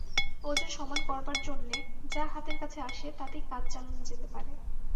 ওজন সমান করবার জন্যে যা হাতের কাছে আসে তাতেই কাজ চালানো যেতে পারে।